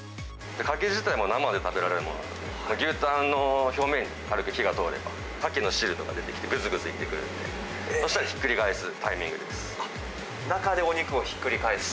カキ自体も生で食べられるものなんですよ、牛タンの表面に軽く火が通れば、カキの汁とか出てきて、ぐつぐついってくるんで、そしたら、ひっくり返すタイミン中でお肉をひっくり返す？